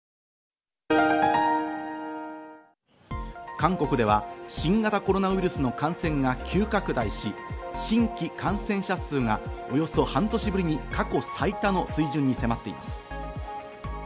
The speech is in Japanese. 韓国では新型コロナウイルスの感染が急拡大し、新規感染者数がおよそ半年ぶりに過去最多の水準に迫っています。